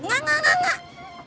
enggak enggak enggak